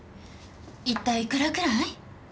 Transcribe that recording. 一体いくらくらい？